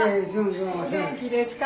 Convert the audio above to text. お元気ですか。